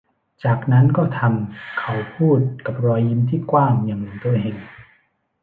จากนั้นก็ทำ เขาพูดกับรอยยิ้มที่กว้างอย่างหลงตัวเอง